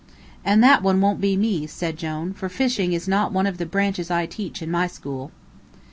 "And that one won't be me," said Jone, "for fishing is not one of the branches I teach in my school."